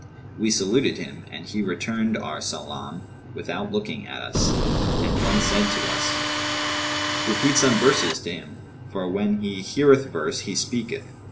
We saluted him, and he returned our salaam, without looking at us, and one said to us, 'Repeat some verses to him; for, when he heareth verse, he speaketh.'